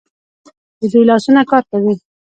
د دوی لاسونه کار کوي.